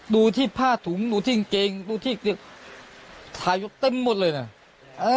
ดูที่ผ้าถุงดูที่เกงดูที่ถ่ายกเต็มหมดเลยนะ